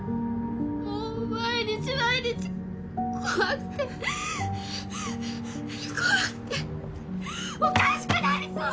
もう毎日毎日怖くて怖くておかしくなりそう！